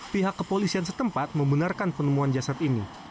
pihak kepolisian setempat membenarkan penemuan jasad ini